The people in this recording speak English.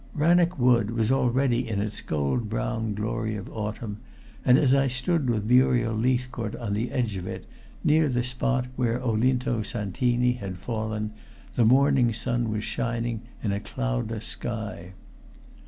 Rannoch Wood was already in its gold brown glory of autumn, and as I stood with Muriel Leithcourt on the edge of it, near the spot where Olinto Santini had fallen, the morning sun was shining in a cloudless sky.